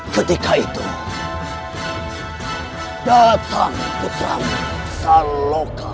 ketika itu datang putra maksar lokal